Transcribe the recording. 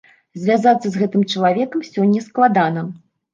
Звязацца з гэтым чалавекам сёння складана.